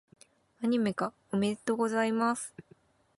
アニメ化、おめでとうございます！